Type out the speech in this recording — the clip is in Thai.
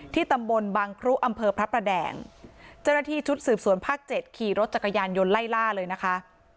ตำบลบังครุอำเภอพระประแดงเจ้าหน้าที่ชุดสืบสวนภาค๗ขี่รถจักรยานยนต์ไล่ล่าเลยนะคะ